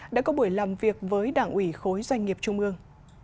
đã có buổi làm việc với đảng ủy khối doanh nghiệp trung ương